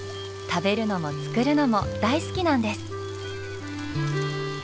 食べるのも作るのも大好きなんです。